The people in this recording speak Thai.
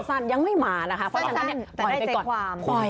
สั้นยังไม่มานะคะเพราะฉะนั้นเนี่ยปล่อยไปก่อน